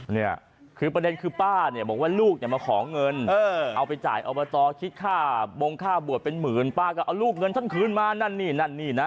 เนี่ยคือประเด็นคือป้าเนี่ยบอกว่าลูกเนี่ยมาขอเงินเอาไปจ่ายอบตคิดค่าบงค่าบวชเป็นหมื่นป้าก็เอาลูกเงินฉันคืนมานั่นนี่นั่นนี่นะ